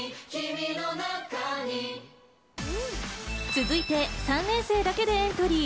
続いて３年生だけでエントリー。